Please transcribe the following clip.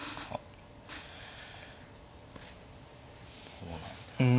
どうなんですかね。